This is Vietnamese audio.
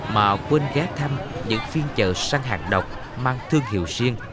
mà quên ghé thăm những phiên chợ săn hạng độc mang thương hiệu riêng